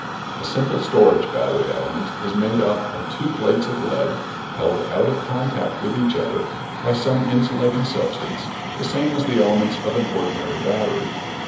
A simple storage battery element is made up of two plates of lead held out of contact with each other by some insulating substance the same as the elements of an ordinary battery.